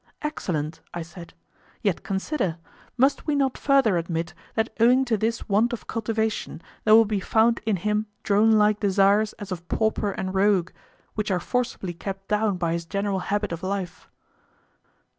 Excellent! I said. Yet consider: Must we not further admit that owing to this want of cultivation there will be found in him dronelike desires as of pauper and rogue, which are forcibly kept down by his general habit of life?